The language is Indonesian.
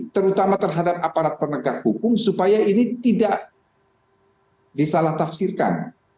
terutama terhadap aparat penegak hukum supaya ini tidak disalah tafsirkan